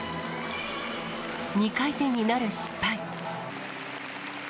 ２回転になる失敗。